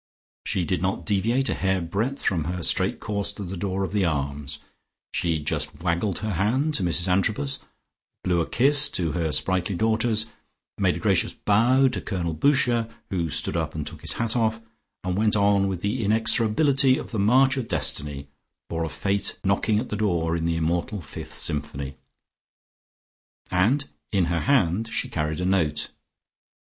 She did not deviate a hair breadth from her straight course to the door of the Arms, she just waggled her hand to Mrs Antrobus, blew a kiss to her sprightly daughters, made a gracious bow to Colonel Boucher, who stood up and took his hat off, and went on with the inexorability of the march of destiny, or of fate knocking at the door in the immortal fifth symphony. And in her hand she carried a note.